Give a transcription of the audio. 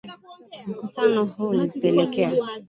Mkutano huu ulipelekea kuanzishwa kwa Shirikisho la Kandanda